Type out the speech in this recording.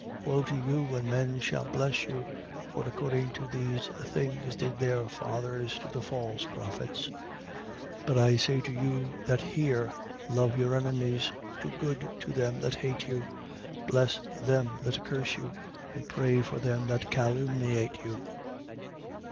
6:26. Woe to you when men shall bless you: for according to these things did their fathers to the false prophets. 6:27. But I say to you that hear: Love your enemies. Do good to them that hate you. 6:28. Bless them that curse you and pray for them that calumniate you.